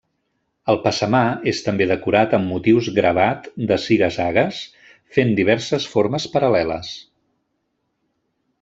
El passamà és també decorat amb motius gravat de ziga-zagues, fent diverses formes paral·leles.